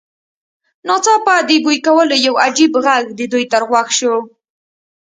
ناڅاپه د بوی کولو یو عجیب غږ د دوی تر غوږ شو